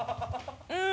うん。